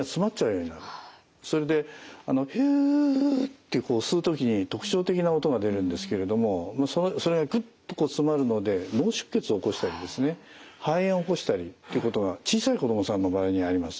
それで「ヒュー」って吸う時に特徴的な音が出るんですけれどもそれがクッと詰まるので脳出血を起こしたりですね肺炎起こしたりっていうことが小さい子どもさんの場合にあります。